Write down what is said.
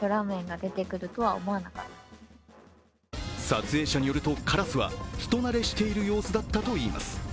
撮影者によると、カラスは人慣れしている様子だったといいます。